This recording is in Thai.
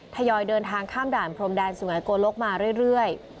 ทยอยเดินทางข้ามด่านพรมแดนสุงัยโกลกมาเรื่อย